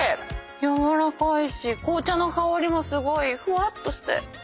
軟らかいし紅茶の香りもすごいふわっとして。